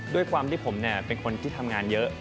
ด้วยความที่ผมเป็นคนที่ทำงานเยอะ